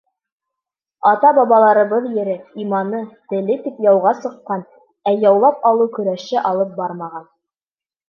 Ата-бабаларыбыҙ ере, иманы, теле тип яуға сыҡҡан, ә яулап алыу көрәше алып бармаған.